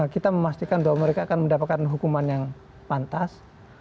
kita memastikan bahwa mereka akan mendapatkan hukuman yang pantas